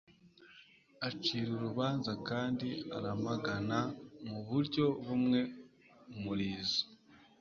acira urubanza kandi aramagana muburyo bumwe umurizo